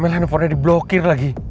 mel handphonenya diblokir lagi